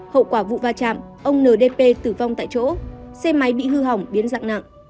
hậu quả vụ va chạm ông ndp tử vong tại chỗ xe máy bị hư hỏng biến dạng nặng